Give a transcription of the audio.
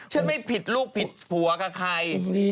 ไม่ผิดลูกผิดผัวกับใคร